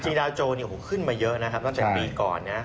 จริงดาวน์โจขึ้นมาเยอะตั้งแต่ปีก่อน